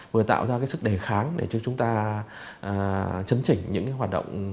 vừa tạo ra cái sức đề kháng để cho chúng ta chấn chỉnh những hoạt động